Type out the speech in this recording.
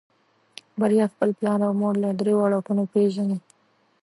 بريا خپل پلار او مور له دريو اړخونو پېژني.